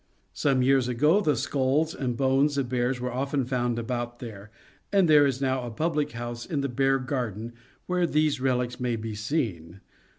Some years ago the skulls and bones of bears were often found about here, and there is now a public house in The Bear Garden where these relics may be seen.